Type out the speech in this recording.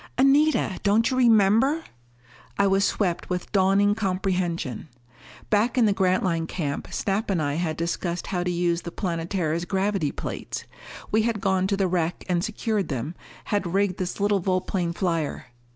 "Anita! Don't you remember!" I was swept with dawning comprehension. Back in the Grantline camp Snap and I had discussed how to use the Planetara's gravity plates. We had gone to the wreck and secured them, had rigged this little volplane flyer....